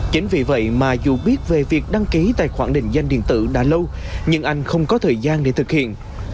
chính vì vậy mà dù biết về việc đăng ký tài khoản định danh điện tử đã lâu nhưng anh không có thời gian để thực hiện